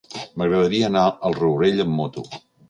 M'agradaria anar al Rourell amb moto.